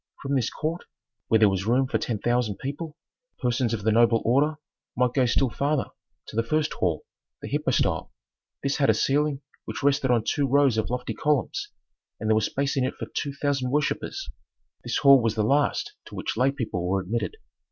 From this court, where there was room for ten thousand people, persons of the noble order might go still farther to the first hall, the hypostyle; this had a ceiling which rested on two rows of lofty columns, and there was space in it for two thousand worshippers. This hall was the last to which lay people were admitted.